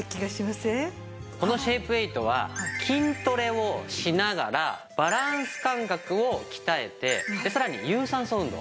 このシェイプエイトは筋トレをしながらバランス感覚を鍛えてさらに有酸素運動。